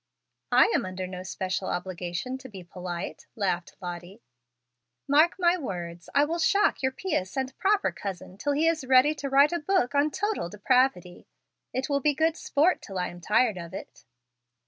"I am under no special obligation to be polite," laughed Lottie. "Mark my words. I will shock your pious and proper cousin till he is ready to write a book on total depravity. It will be good sport till I am tired of it."